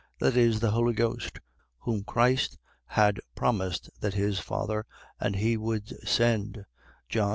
. .that is, the Holy Ghost, whom Christ had promised that his Father and he would send, John 14.